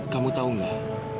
kamu tahu nggak